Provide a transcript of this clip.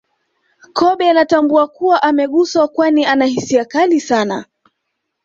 Kobe anatambua kuwa ameguswa kwani ana hisia kali sana